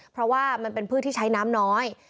เพราะว่ามันเป็นพืชที่ใช้น้ำน้อย